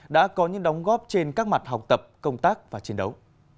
đã có những đóng góp trên các mặt học tập công tác và chiến đấu